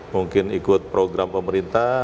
mungkin ikut program pemerintah